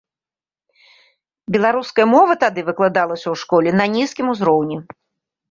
Беларуская мова тады выкладалася ў школе на нізкім узроўні.